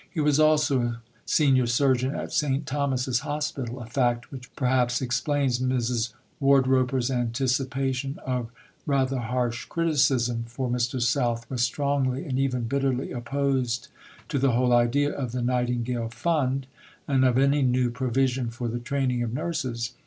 He was also Senior Surgeon at St. Thomas's Hospital, a fact which perhaps explains Mrs. Wardroper's anticipation of "rather harsh criticism"; for Mr. South was strongly, and even bitterly, opposed to the whole idea of the Nightingale Fund, and of any new provision for the training of nurses.